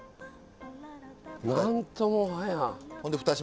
なんともはや！